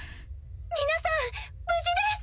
皆さん無事です！